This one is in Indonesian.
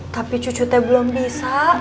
tapi cucu teh belum bisa